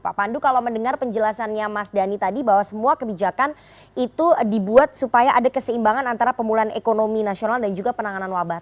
pak pandu kalau mendengar penjelasannya mas dhani tadi bahwa semua kebijakan itu dibuat supaya ada keseimbangan antara pemulihan ekonomi nasional dan juga penanganan wabah